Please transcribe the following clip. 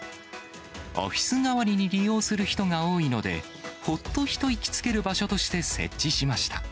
オフィス代わりに利用する人が多いので、ほっと一息つける場所として設置しました。